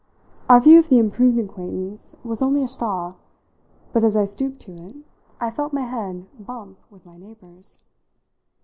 Our view of the improved acquaintance was only a straw, but as I stooped to it I felt my head bump with my neighbour's.